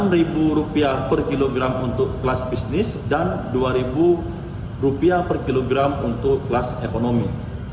rp delapan per kilogram untuk kelas bisnis dan rp dua per kilogram untuk kelas ekonomi